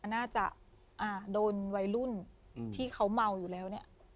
น่าจะโดนวัยรุ่นที่เขาเมาอยู่แล้วเนี่ย